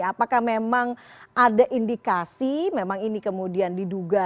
apakah memang ada indikasi memang ini kemudian diduga